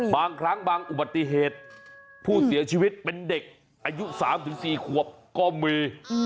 บางครั้งบางอุบัติเหตุผู้เสียชีวิตเป็นเด็กอายุ๓๔ขวบก็มี